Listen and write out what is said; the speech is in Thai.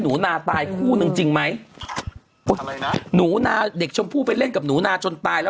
หนุนาตายจึงนึงพวกหนูหน่าไปเล่นกับหนุนาจนตาย